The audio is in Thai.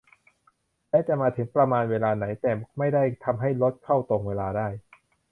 และจะมาถึงประมาณเวลาไหน - แต่ไม่ได้ทำให้รถเข้าตรงเวลาได้